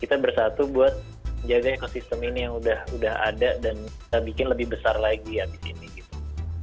kita bersatu buat menjaga ekosistem ini yang udah ada dan kita bikin lebih besar lagi abis ini gitu